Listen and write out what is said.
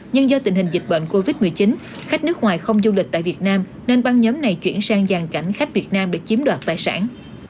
nhưng do tình hình dịch bệnh covid một mươi chín khách nước ngoài không du lịch tại việt nam nên băng nhóm này chuyển sang giàn cảnh khách việt nam để chiếm đoạt tài sản